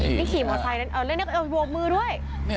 นี่ขี่มอไซซ์ด้วยโบบมือด้วย